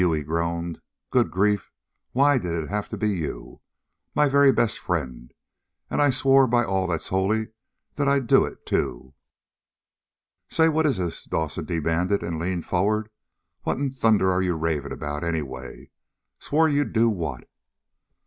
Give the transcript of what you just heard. he groaned. "Good grief! Why did it have to be you, my very best friend? And I swore by all that's holy that I'd do it, too!" "Say, what is this?" Dawson demanded, and leaned forward. "What in thunder are you raving about, anyway? Swore you'd do what?"